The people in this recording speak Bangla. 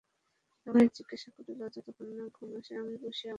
রমেশ জিজ্ঞাসা করিল, যতক্ষণ না ঘুম আসে আমি বসিয়া গল্প করিব কি?